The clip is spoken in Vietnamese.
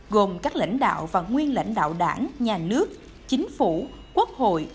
gồm các lãnh đạo và nguyên lãnh đạo đảng nhà nước chính phủ quốc hội